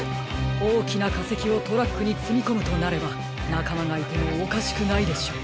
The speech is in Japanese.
おおきなかせきをトラックにつみこむとなればなかまがいてもおかしくないでしょう。